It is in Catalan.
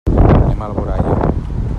Anem a Alboraia.